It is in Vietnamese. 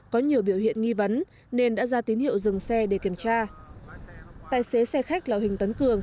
có nhiều biểu hiện nghi vấn nên đã ra tín hiệu dừng xe để kiểm tra tài xế xe khách là huỳnh tấn cường